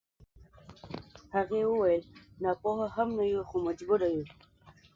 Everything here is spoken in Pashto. هغې وويل نه ناپوهه هم نه يو خو مجبور يو.